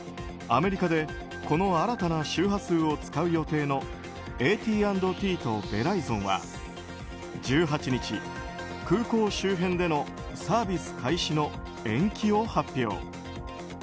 アメリカでこの新たな周波数を使う予定のＡＴ＆Ｔとベライゾンは１８日、空港周辺でのサービス開始の延期を発表。